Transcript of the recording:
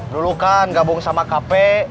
dulu kan gabung sama kp